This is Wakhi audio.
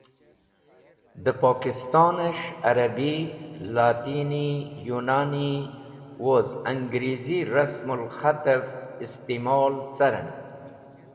De Pokiston es̃h Arabi; Latini-Younani woz Angreezi rasmul khatve istimol caren.